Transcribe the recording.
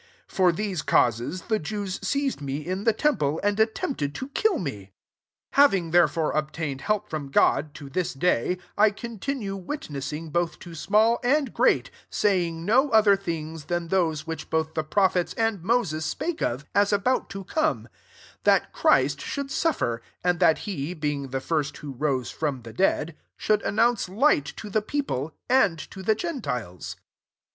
21 For these causes, the Jews seized me in the temple, and attempted iQ kill me. 22 " Having therefore ob tained help from God, to this day, I continue witnessing both to small and great, saying no other things than those which both the prophets and Moses spake of, as about to come: 23 that Christ should suffer; and that he, being the first who rose from the dead, should an nounce light to the people* and to the gentiles."